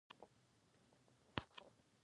دا روڼ جهان راته تور تم دی.